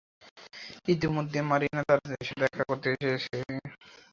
ইতোমধ্যে মারিনা তার সাথে দেখা করতে আসে এবং তাকে এক পার্টিতে নিমন্ত্রণ করতে আসে।